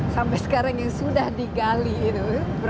sampai sekarang yang sudah digali itu